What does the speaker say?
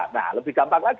nah lebih gampang lagi